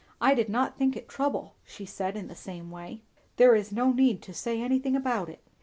"I did not think it trouble," she said in the same way. "There is no need to say anything about it."